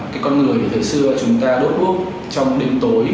cái con người thời xưa chúng ta đốt uốc trong đêm tối